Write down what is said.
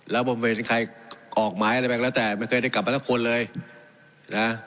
แล้วผมเป็นใครออกหมายอะไรไปแล้วแต่ไม่เคยได้กลับมาสักคนเลยนะ